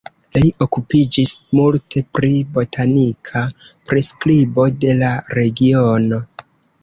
Li okupiĝis multe pri botanika priskribo de la regiono.